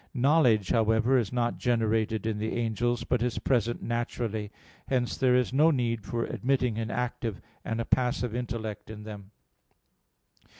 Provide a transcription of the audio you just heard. Knowledge, however, is not generated in the angels, but is present naturally. Hence there is no need for admitting an active and a passive intellect in them.